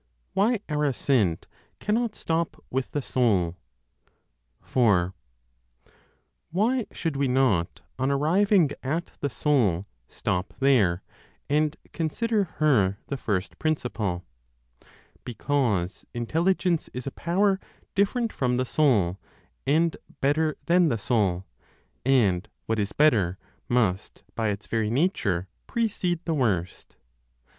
WHY OUR ASCENT CANNOT STOP WITH THE SOUL. 4. Why should we not, on arriving at the Soul, stop there, and consider her the first principle? Because Intelligence is a power different from the Soul, and better than the Soul; and what is better must, by its very nature, precede (the worst).